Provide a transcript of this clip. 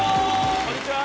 こんにちは。